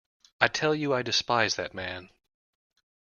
I tell you I despise that man.